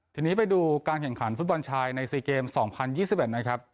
ทีนี้ไปดูการแข่งขันฟุตบอลไทยในสี่เกมสองพันยี่สิบเอ็ดนะครับ